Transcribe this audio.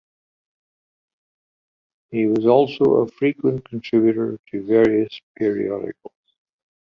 He was also a frequent contributor to various periodicals.